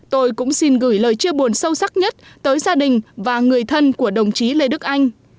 tôi cũng xin gửi lời chia buồn sâu sắc nhất tới gia đình và người thân của đồng chí lê đức anh